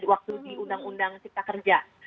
waktu di undang undang cipta kerja